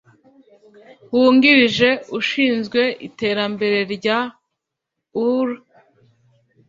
wungirije ushinzwe iterambere rya ur